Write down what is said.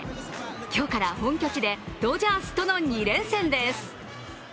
今日から本拠地でドジャースとの２連戦です。